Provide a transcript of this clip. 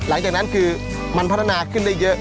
หลังจากนั้นคือมันพัฒนาขึ้นได้เยอะ